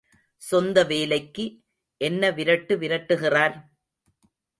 சொந்த வேலைக்கு என்ன விரட்டு விரட்டுகிறார்?